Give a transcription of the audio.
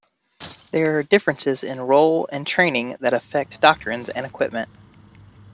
There are differences in role and training that affect doctrines and equipment.